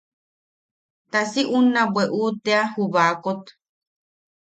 Ta si unna bweʼu tea ju bakot.